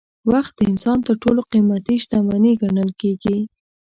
وخت د انسان تر ټولو قیمتي شتمني ګڼل کېږي.